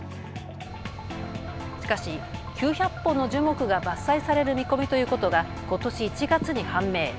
しかし９００本の樹木が伐採される見込みということがことし１月に判明。